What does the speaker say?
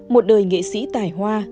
một đời nghệ sĩ tài hoa